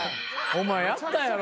お前やったやろ。